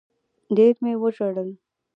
ډېر مي وژړل